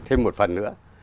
thêm một phần nữa